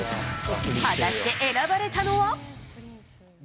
果たして選ばれたのは？